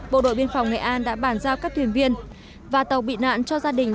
bộ đội biên phòng nghệ an đã bàn giao các thuyền viên và tàu bị nạn cho gia đình